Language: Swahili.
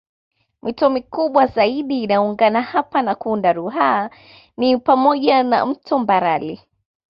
Mito mikubwa zaidi inayoungana hapa na kuunda Ruaha ni pamoja na mto Mbarali